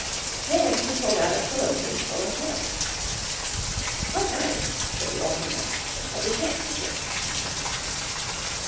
Then he pulled out a pillow case full of hay. "Quite nice," said the old woman, "but we can't cook it."